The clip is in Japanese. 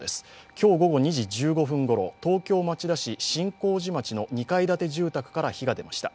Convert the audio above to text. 今日午後２時１５分頃東京・町田市真光寺町の２階建て住宅から火が出ました。